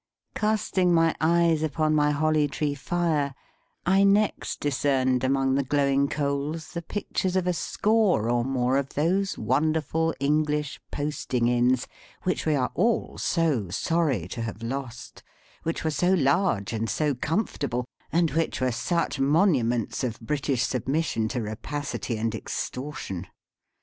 Casting my eyes upon my Holly Tree fire, I next discerned among the glowing coals the pictures of a score or more of those wonderful English posting inns which we are all so sorry to have lost, which were so large and so comfortable, and which were such monuments of British submission to rapacity and extortion.